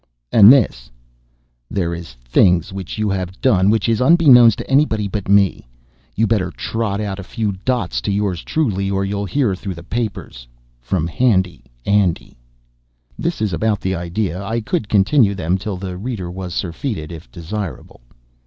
And this: There is things which you have done which is unbeknowens to anybody but me. You better trot out a few dols, to yours truly, or you'll hear through the papers from HANDY ANDY. This is about the idea. I could continue them till the reader was surfeited, if desirable.